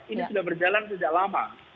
ini sudah berjalan sejak lama